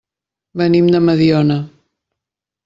Venim de Mediona.